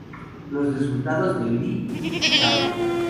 Los resultados de Li et al.